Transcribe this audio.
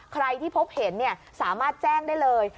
ใครที่พบเห็นสามารถแจ้งได้เลย